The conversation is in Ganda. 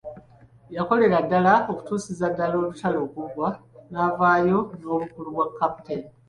Yakolera ddala okutuusiza ddala olutalo okuggwa n'avaayo n'obukulu bwa Captain.